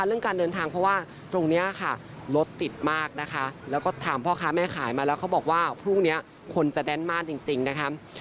เรื่องการเดินทางเพราะว่าตรงนี้ค่ะรถติดมากนะคะแล้วก็ถามพ่อค้าแม่ขายมาแล้วเขาบอกว่าพรุ่งนี้คนจะแน่นมากจริงนะคะ